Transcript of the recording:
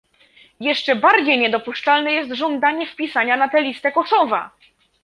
Jeszcze bardziej niedopuszczalne jest żądanie wpisania na tę listę Kosowa!